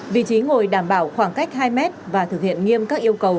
vị trí ngồi đảm bảo khoảng cách hai mét và thực hiện nghiêm các yêu cầu